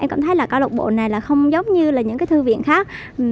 em cảm thấy là các lập bộ này không giống như những thư viện khác